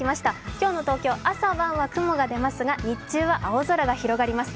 今日の東京、朝は雲が出ますが日中は青空が広がります。